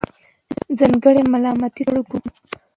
څانګي ملا ماتي د ژړو ګلو